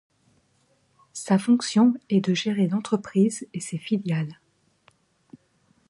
Sa fonction est de gérer l'entreprise et ses filiales.